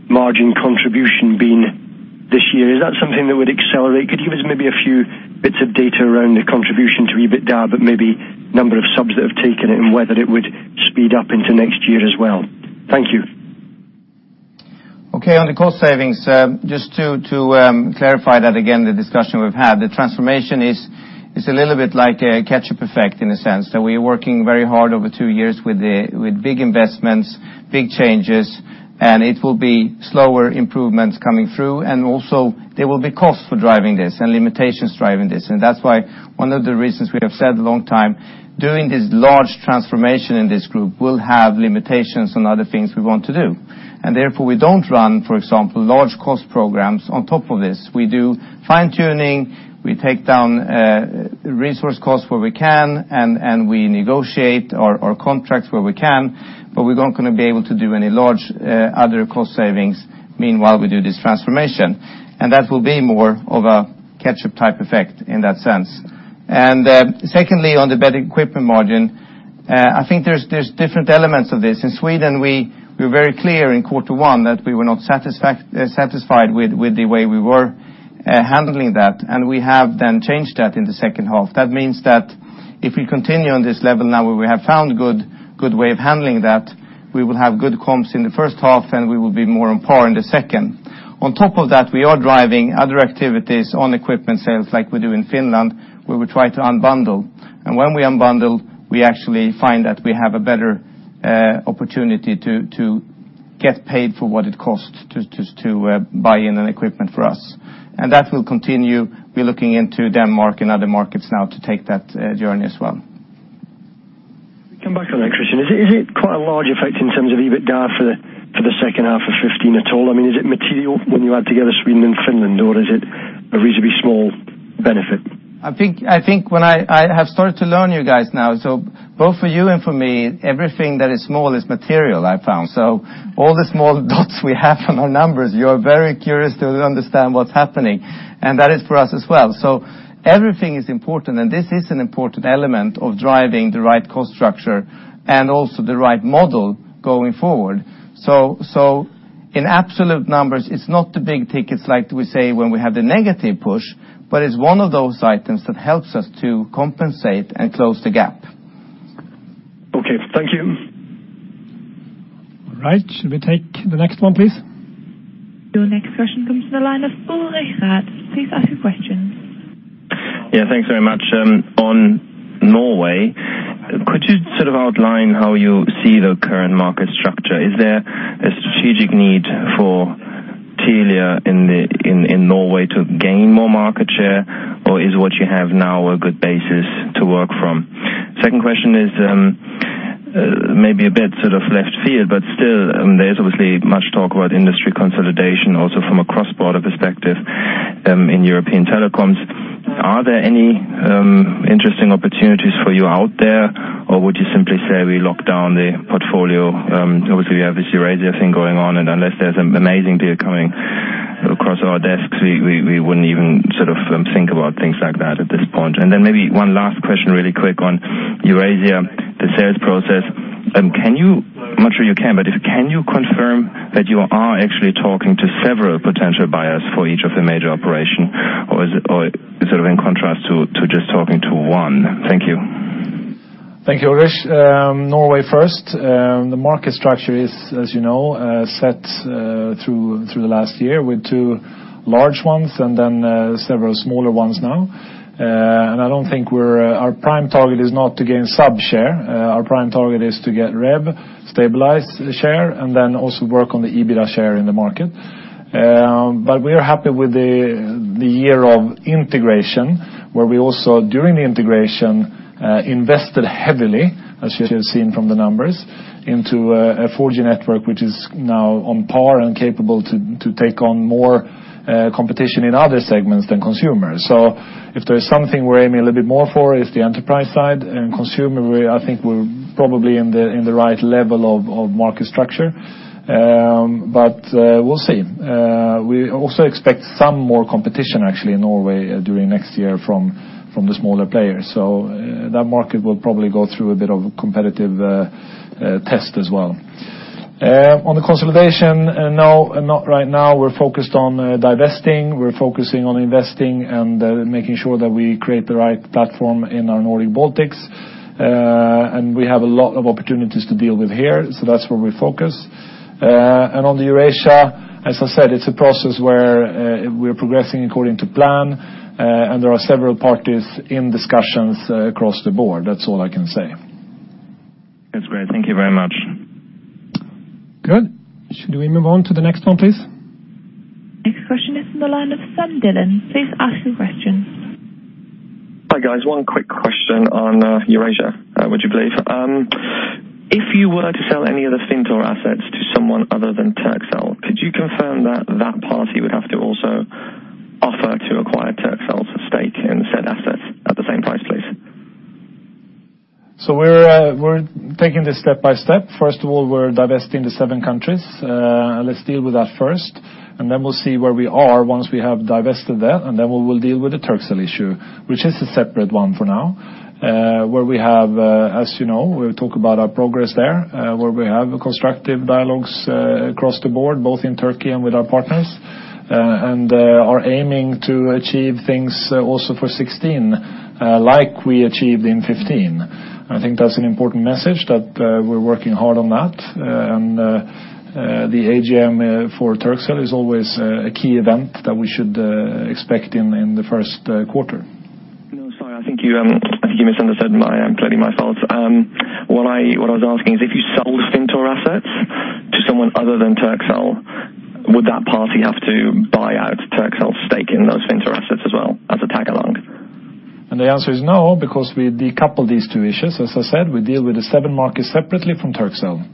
margin contribution been this year? Is that something that would accelerate? Could you give us maybe a few bits of data around the contribution to EBITDA, but maybe number of subs that have taken it and whether it would speed up into next year as well? Thank you. Okay. On the cost savings, just to clarify that again, the discussion we've had, the transformation is a little bit like a catch-up effect in a sense that we're working very hard over two years with big investments, big changes, and it will be slower improvements coming through. Also there will be costs for driving this and limitations driving this. That's why one of the reasons we have said a long time, doing this large transformation in this group will have limitations on other things we want to do. Therefore we don't run, for example, large cost programs on top of this. We do fine-tuning. We take down resource costs where we can, and we negotiate our contracts where we can, but we're not going to be able to do any large other cost savings meanwhile we do this transformation. That will be more of a catch-up type effect in that sense. Secondly, on the bad equipment margin, I think there's different elements of this. In Sweden, we were very clear in quarter one that we were not satisfied with the way we were handling that, and we have then changed that in the second half. That means that if we continue on this level now where we have found good way of handling that, we will have good comps in the first half, and we will be more on par in the second. On top of that, we are driving other activities on equipment sales like we do in Finland, where we try to unbundle. When we unbundle, we actually find that we have a better opportunity to get paid for what it costs to buy in an equipment for us. That will continue. We're looking into Denmark and other markets now to take that journey as well. To come back on that, Christian, is it quite a large effect in terms of EBITDA for the second half of 2015 at all? I mean, is it material when you add together Sweden and Finland, or is it a reasonably small benefit? I think I have started to learn you guys now. Both for you and for me, everything that is small is material, I've found. All the small dots we have from our numbers, you're very curious to understand what's happening, and that is for us as well. Everything is important, and this is an important element of driving the right cost structure and also the right model going forward. In absolute numbers, it's not the big tickets like we say when we have the negative push, but it's one of those items that helps us to compensate and close the gap. Okay. Thank you. All right. Should we take the next one, please? Your next question comes from the line of Ulrich. Please ask your questions. Yeah. Thanks very much. On Norway, could you sort of outline how you see the current market structure? Is there a strategic need for Telia in Norway to gain more market share, or is what you have now a good basis to work from? Second question is maybe a bit sort of left field, but still, there's obviously much talk about industry consolidation also from a cross-border perspective in European telecoms. Are there any interesting opportunities for you out there, or would you simply say we lock down the portfolio? Obviously, you have this Eurasia thing going on, unless there's an amazing deal coming across our desks, we wouldn't even think about things like that at this point. Maybe one last question really quick on Eurasia, the sales process. I'm not sure you can you confirm that you are actually talking to several potential buyers for each of the major operation, or is it in contrast to just talking to one? Thank you. Thank you, Ulrich. Norway first. The market structure is, as you know, set through the last year with two large ones and then several smaller ones now. I don't think our prime target is not to gain sub share. Our prime target is to get rev, stabilize the share, and then also work on the EBITDA share in the market. We are happy with the year of integration, where we also, during the integration, invested heavily, as you have seen from the numbers, into a 4G network, which is now on par and capable to take on more competition in other segments than consumers. If there's something we're aiming a little bit more for, it's the enterprise side and consumer, I think we're probably in the right level of market structure. We'll see. We also expect some more competition actually in Norway during next year from the smaller players. That market will probably go through a bit of a competitive test as well. On the consolidation, not right now. We're focused on divesting. We're focusing on investing and making sure that we create the right platform in our Nordic-Baltics. We have a lot of opportunities to deal with here, that's where we focus. On the Eurasia, as I said, it's a process where we're progressing according to plan, there are several parties in discussions across the board. That's all I can say. That's great. Thank you very much. Good. Should we move on to the next one, please? Next question is from the line of Sami Sarkamies. Please ask your question. Hi, guys. One quick question on Eurasia, would you believe. If you were to sell any of the Fintur assets to someone other than Turkcell, could you confirm that that party would have to also offer to acquire Turkcell's stake in said assets at the same price, please? We're taking this step by step. First of all, we're divesting the seven countries. Let's deal with that first. We'll see where we are once we have divested that. We will deal with the Turkcell issue, which is a separate one for now, where we have, as you know, we'll talk about our progress there, where we have constructive dialogues across the board, both in Turkey and with our partners. Are aiming to achieve things also for 2016, like we achieved in 2015. I think that's an important message that we're working hard on that. The AGM for Turkcell is always a key event that we should expect in the first quarter. No, sorry, I think you misunderstood me, completely my fault. What I was asking is, if you sold Fintur assets to someone other than Turkcell, would that party have to buy out Turkcell's stake in those Fintur assets as well as a tag-along? The answer is no, because we decoupled these two issues. As I said, we deal with the seven markets separately from Turkcell.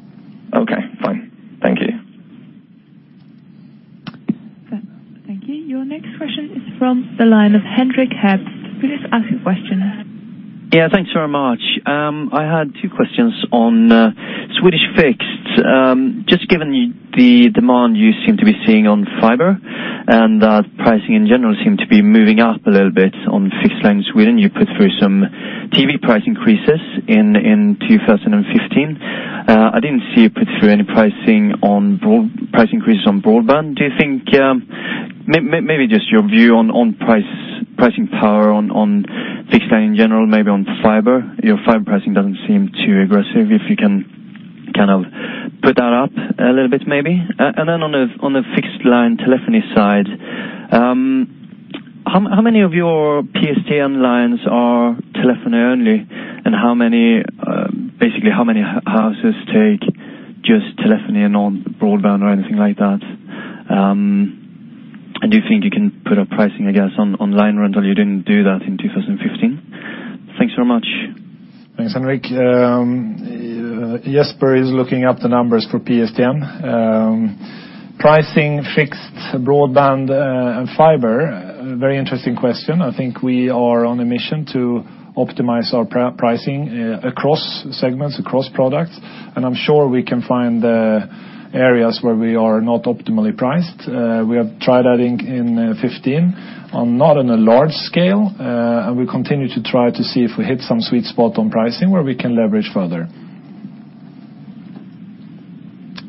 Okay, fine. Thank you. Thank you. Your next question is from the line of Henrik Herbst. Please ask your question. Yeah, thanks very much. I had two questions on Swedish fixed. Just given the demand you seem to be seeing on fiber and that pricing, in general, seem to be moving up a little bit on fixed line in Sweden. You put through some TV price increases in 2015. I did not see you put through any price increases on broadband. Maybe just your view on pricing power on fixed line in general, maybe on fiber. Your fiber pricing does not seem too aggressive. If you can put that up a little bit maybe. And then on the fixed line telephony side, how many of your PSTN lines are telephony-only, and basically how many houses take just telephony and no broadband or anything like that? Do you think you can put up pricing, I guess, on line rental? You did not do that in 2015. Thanks very much. Thanks, Henrik. Jesper is looking up the numbers for PSTN. Pricing fixed broadband and fiber, very interesting question. I think we are on a mission to optimize our pricing across segments, across products, and I am sure we can find areas where we are not optimally priced. We have tried adding in 2015, not on a large scale, and we continue to try to see if we hit some sweet spot on pricing where we can leverage further.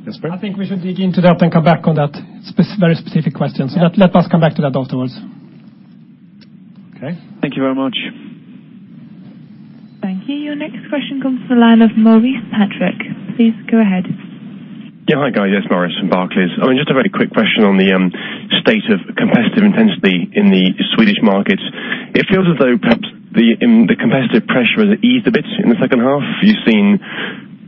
Jesper? I think we should dig into that and come back on that very specific question. Let us come back to that afterwards. Okay. Thank you very much. Thank you. Your next question comes from the line of Maurice Patrick. Please go ahead. Yeah. Hi, guys. Yes, Maurice from Barclays. Just a very quick question on the state of competitive intensity in the Swedish market. It feels as though perhaps the competitive pressure has eased a bit in the second half. You've seen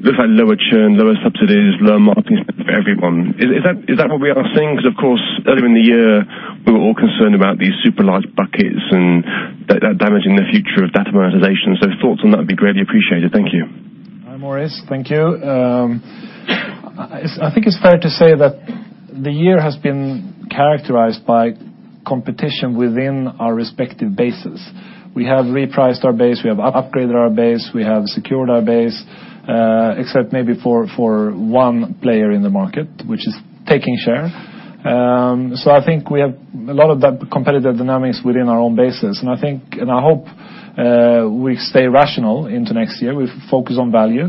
lower churn, lower subsidies, lower marketing spend for everyone. Is that what we are seeing? Because of course, earlier in the year, we were all concerned about these super large buckets and that damaging the future of data monetization. Thoughts on that would be greatly appreciated. Thank you. Hi, Maurice. Thank you. I think it's fair to say that the year has been characterized by competition within our respective bases. We have repriced our base, we have upgraded our base, we have secured our base, except maybe for one player in the market, which is taking share. I think we have a lot of that competitive dynamics within our own bases. I think, and I hope we stay rational into next year. We focus on value,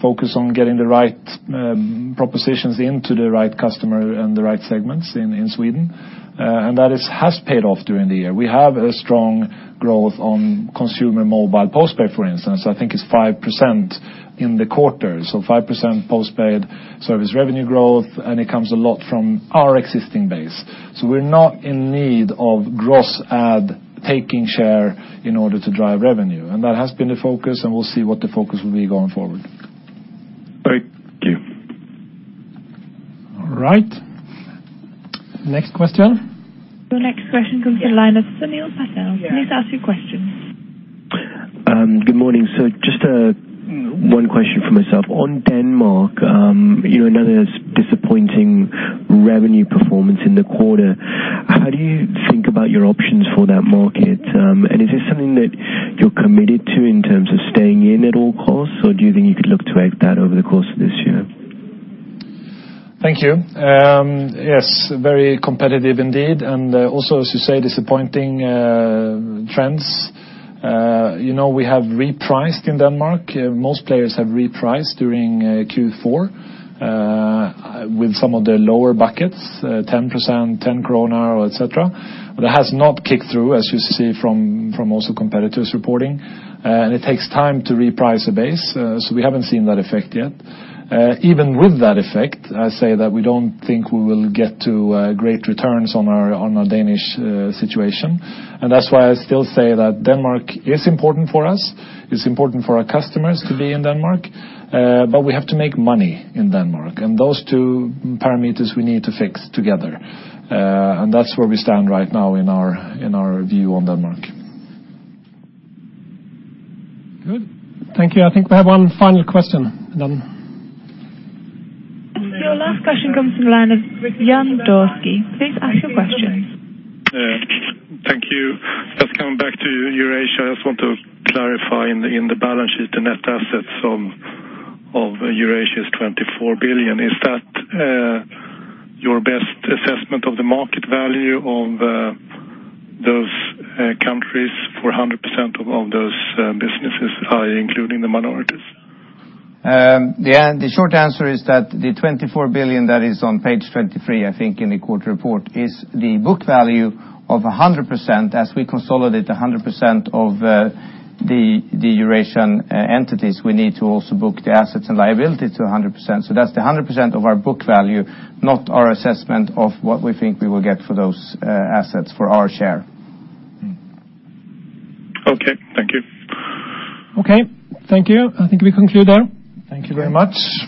focus on getting the right propositions into the right customer and the right segments in Sweden. That has paid off during the year. We have a strong growth on consumer mobile post-pay, for instance. I think it's 5% in the quarter, 5% post-paid service revenue growth, and it comes a lot from our existing base. We're not in need of gross add taking share in order to drive revenue. That has been the focus, and we'll see what the focus will be going forward. Thank you. All right. Next question. Your next question comes from the line of Sunil Patel. Please ask your question. Good morning. Just one question from myself. On Denmark, another disappointing revenue performance in the quarter. How do you think about your options for that market? Is this something that you're committed to in terms of staying in at all costs, or do you think you could look to [ape] that over the course of this year? Thank you. Yes, very competitive indeed, and also, as you say, disappointing trends. We have repriced in Denmark. Most players have repriced during Q4 with some of the lower buckets, 10%, 10 krone, et cetera. It has not kicked through, as you see from also competitors reporting. It takes time to reprice a base, so we haven't seen that effect yet. Even with that effect, I say that we don't think we will get to great returns on our Danish situation. That's why I still say that Denmark is important for us. It's important for our customers to be in Denmark, but we have to make money in Denmark, and those two parameters we need to fix together. That's where we stand right now in our view on Denmark. Good. Thank you. I think we have one final question, and done. Your last question comes from the line of Jan Dorski. Please ask your question. Thank you. Just coming back to you, Eurasia, I just want to clarify in the balance sheet, the net assets of Eurasia is 24 billion. Is that your best assessment of the market value of those countries for 100% of those businesses, including the minorities? The short answer is that the 24 billion that is on page 23, I think, in the quarter report, is the book value of 100%. As we consolidate 100% of the Eurasian entities, we need to also book the assets and liability to 100%. That's the 100% of our book value, not our assessment of what we think we will get for those assets for our share. Okay. Thank you. Okay. Thank you. I think we conclude there. Thank you very much.